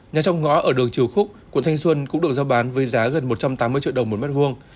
nhà trong ngõ ở đường triều khúc quận thanh xuân cũng được giao bán với giá gần một trăm tám mươi triệu đồng một mét vuông